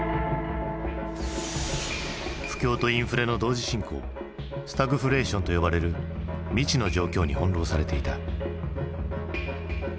不況とインフレの同時進行スタグフレーションと呼ばれる未知の状況に翻弄されていた。